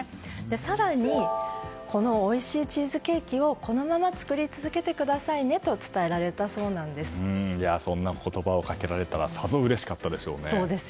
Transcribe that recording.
更にこのおいしいチーズケーキをこのまま作り続けてくださいねとそんな言葉をかけられたらさぞうれしかったでしょうね。